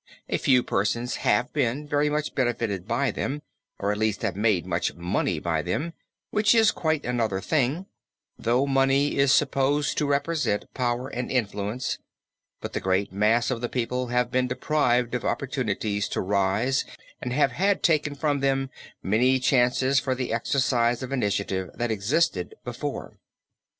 A few persons have been very much benefited by them, or at least have made much money by them, which is quite another thing, though money is supposed to represent power and influence, but the great mass of the people have been deprived of opportunities to rise and have had taken from them many chances for the exercise of initiative that existed before.